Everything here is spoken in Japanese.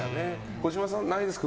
小島さんはないですか。